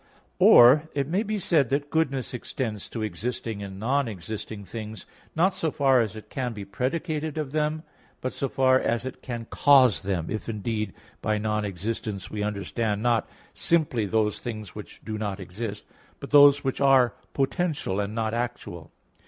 Or it may be said that goodness extends to existing and non existing things, not so far as it can be predicated of them, but so far as it can cause them if, indeed, by non existence we understand not simply those things which do not exist, but those which are potential, and not actual.